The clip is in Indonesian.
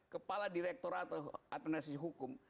kepala direktorat atenasisi hukum